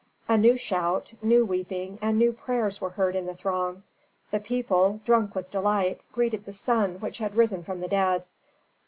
A new shout, new weeping, and new prayers were heard in the throng. The people, drunk with delight, greeted the sun which had risen from the dead.